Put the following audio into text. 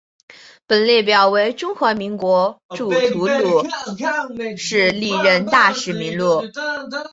本列表为中华民国驻吐瓦鲁历任大使名录。